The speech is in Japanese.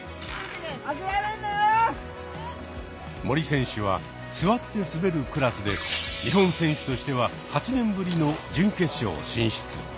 森選手は座って滑るクラスで日本選手としては８年ぶりの準決勝進出。